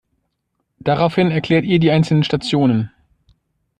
Daraufhin erklärt ihr die einzelnen Stationen.